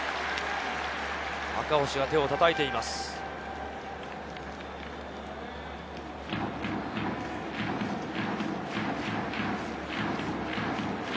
赤星は手をたたいています。